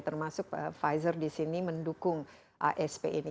termasuk pfizer di sini mendukung asp ini